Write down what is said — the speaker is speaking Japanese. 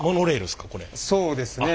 そうですね。